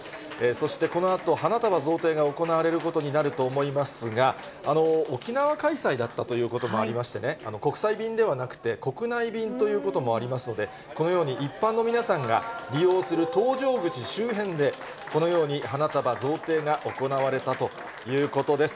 そしてこのあと、花束贈呈が行われることになると思いますが、沖縄開催だったということもありましてね、国際便ではなくて、国内便ということもありますので、このように一般の皆さんが利用する搭乗口周辺で、このように花束贈呈が行われたということです。